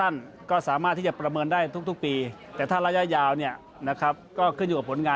ในสัปดาห์หน้า